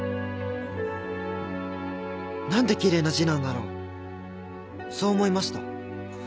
何て奇麗な字なんだろうそう思いました。